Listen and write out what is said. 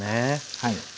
はい。